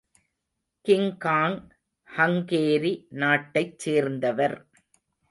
King Kong Hungary நாட்டைச் சேர்ந்தவர்.